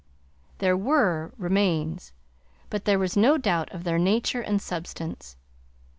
They WERE remains, but there was no doubt of their nature and substance.